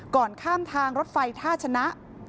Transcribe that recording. ก่อนข้ามทางรถไฟท่าชนะ